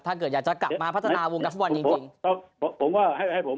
ถ้าเกิดอยากจะกลับมาพัฒนาวงกรรมถูกว่า